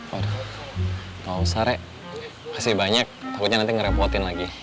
waduh gak usah rek masih banyak takutnya nanti ngerepotin lagi